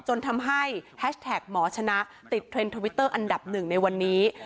จนทำให้แฮชแท็กหมอชนะติดเทรนด์ทวิตเตอร์อันดับหนึ่งในวันนี้